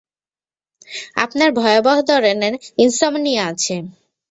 আপনার ভয়াবহ ধরনের ইনসমনিয়া আছে।